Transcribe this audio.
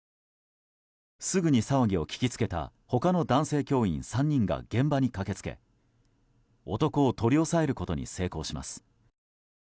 すぐに騒ぎを聞きつけた他の男性教員３人が現場に駆け付け、男を取り押さえることに成功します。